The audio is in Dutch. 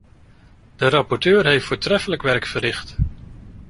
De rapporteur heeft voortreffelijk werk verricht.